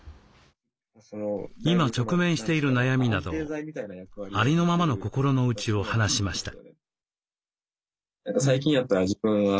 今直面している悩みなどありのままの心のうちを話しました。